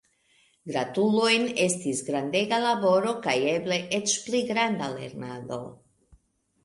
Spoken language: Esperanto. Gratulojn estis grandega laboro kaj eble eĉ pli granda lernado!